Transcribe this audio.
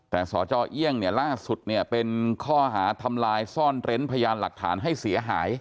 แต่สจเอี่ยงเนี่ยล่าสุดเนี่ยเป็นข้อหาทำลายซ่อนเร้นพยานหลักฐานให้เสียหาย